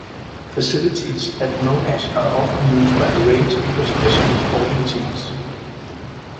Facilities at Monash are often used by a range of professional sporting teams.